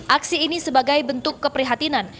aksi ini sebagai bentuk keprihatinan